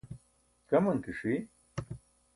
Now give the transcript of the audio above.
kaman ke ṣi